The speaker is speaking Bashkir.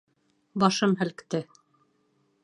Башын һелкте.